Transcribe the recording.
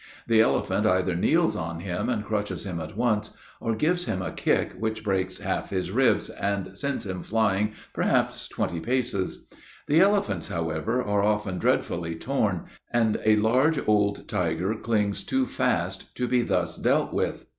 The elephant either kneels on him and crushes him at once, or gives him a kick which breaks half his ribs, and sends him flying perhaps twenty paces. The elephants, however, are often dreadfully torn; and a large old tiger clings too fast to be thus dealt with.